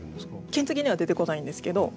金継ぎには出てこないんですけど